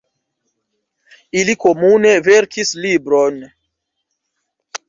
Ili komune verkis libron.